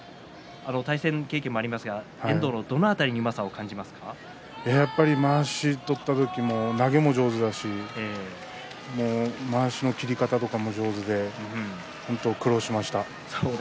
対戦経験もありますが遠藤のどの辺りにまわしを取った時に投げも上手だしまわしの切り方とかも上手で本当に苦労しました。